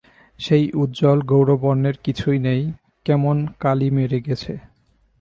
সেই উজ্জ্বল গৌরবর্ণের কিছুই নেই, কেমন কালি মেরে গেছে।